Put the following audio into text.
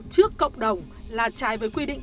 trước cộng đồng là trái với quy định